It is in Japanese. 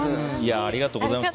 ありがとうございます。